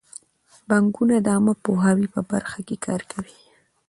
بانکونه د عامه پوهاوي په برخه کې کار کوي.